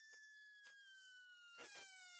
هلته هر څه امکانات شته.